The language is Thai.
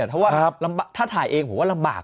ถ้าถ่ายเองผมว่าลำบาก